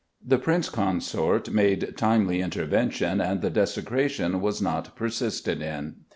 The Prince Consort made timely intervention and the desecration was not persisted in.